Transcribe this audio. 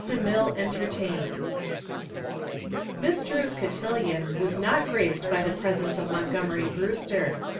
DE MILLE ENTERTAINS Miss Drew's cotillon was not graced by the presence of Montgomery Brewster.